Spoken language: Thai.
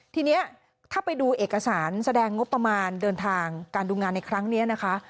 ทีนี้ถ้าไปดูเอกสารแสดงงบประมาณเดินทางการดูงานในครั้งนี้นะคะ